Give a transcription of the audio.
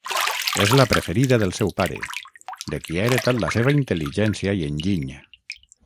És la preferida del seu pare, de qui ha heretat la seva intel·ligència i enginy.